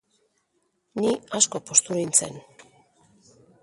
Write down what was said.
Ni asko poztu nintzen.